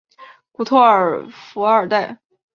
古托尔弗尔代。